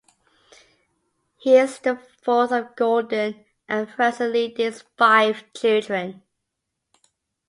He is the fourth of Gordon and Frances Liddy's five children.